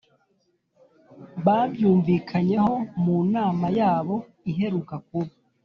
babyumvikanyeho mu nama yabo iheruka kuba